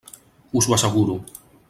Us ho asseguro.